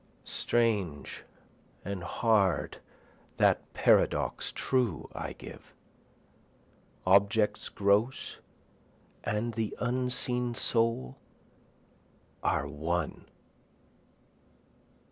Strange and hard that paradox true I give, Objects gross and the unseen soul are one.